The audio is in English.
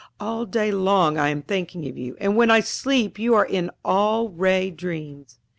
All day long I am thinking of you, and when I sleep you are in all ray dreams."